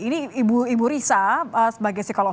ini ibu risa sebagai psikolog